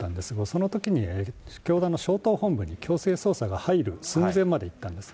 そのときに教団のしょうとう本部に強制捜査が入る寸前までいったんです。